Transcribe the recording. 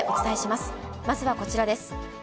まずはこちらです。